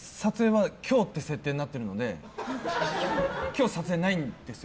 撮影は今日って設定になってるので今日、撮影ないんですよ。